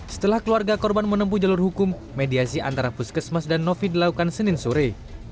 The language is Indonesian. setelah keluarga korban menempuh jalur hukum mediasi antara puskesmas dan novi dilakukan senin sore